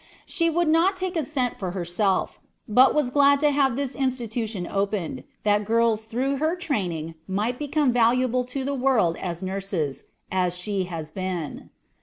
She would not take a cent for herself, but was glad to have this institution opened, that girls through her training might become valuable to the world as nurses, as she has been.